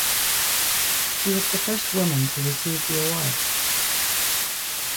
She was the first woman to receive the award.